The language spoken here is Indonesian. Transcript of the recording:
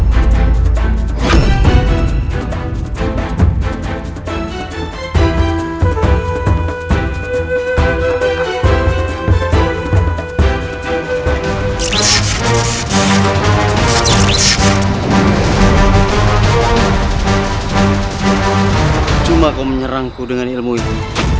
hai cuma kau menyerangku dengan ilmu itu